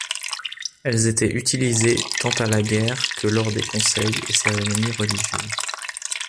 Elles étaient utilisées tant à la guerre que lors des conseils et cérémonies religieuses.